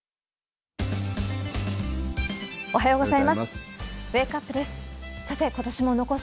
おはようございます。